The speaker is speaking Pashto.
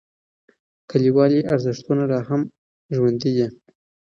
کلیوالي ارزښتونه لا هم ژوندی دي.